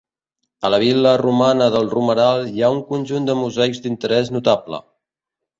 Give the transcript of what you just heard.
A la vil·la romana del Romeral hi ha un conjunt de mosaics d'interès notable.